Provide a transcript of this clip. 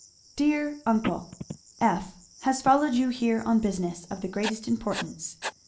"_Dear uncle, F. has followed you here on business of the greatest importance.